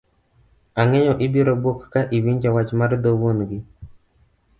Ang'eyo ibiro buok ka iwonjo wach mar dho wuon gi